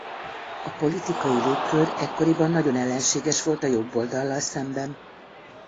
A politikai légkör ekkoriban nagyon ellenséges volt a jobboldallal szemben.